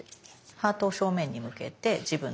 ハートを正面に向けて自分で。